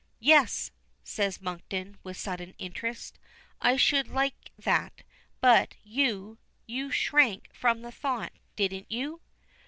"Yes," says Monkton, with sudden interest. "I should like that. But you you shrank from the thought, didn't you?"